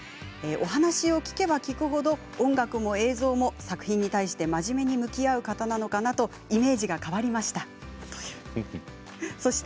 お話を聞けば聞くほど音楽も映像も作品に対して真面目に向き合う方なのかなとイメージが変わりました。